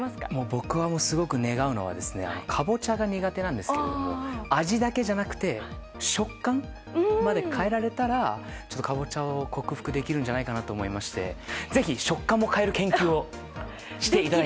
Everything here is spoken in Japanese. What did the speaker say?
僕が、すごく願うのはカボチャが苦手なんですが味だけじゃなくて食感まで変えられたらカボチャを克服できるんじゃないかなと思いましてぜひ食感も変える研究をしていただきたい。